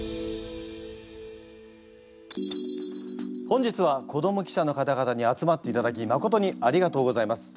本日は子ども記者の方々に集まっていただきまことにありがとうございます。